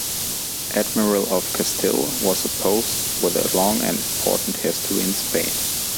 Admiral of Castile was a post with a long and important history in Spain.